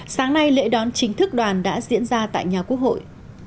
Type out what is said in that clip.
sáng nay lễ đón chính thức đoàn đã diễn ra tại nhà quốc hội